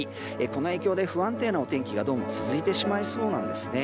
この影響で不安定なお天気が続いてしまいそうなんです。